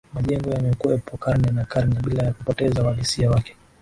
Majengo yamekuwepo karne na karne bila ya kupoteza uhalisia wake